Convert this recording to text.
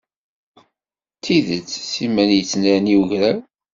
D tidet, s imal yettnerni wegraw.